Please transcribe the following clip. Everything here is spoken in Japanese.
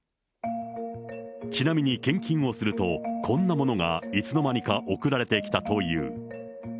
ちなみに献金をすると、こんなものがいつのまにか送られてきたという。